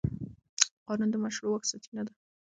قانون د مشروع واک سرچینه ده.